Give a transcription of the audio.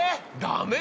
ダメ！